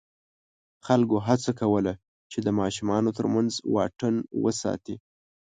خلکو هڅه کوله چې د ماشومانو تر منځ واټن وساتي.